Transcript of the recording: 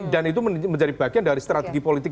dan itu menjadi bagian dari strategi politik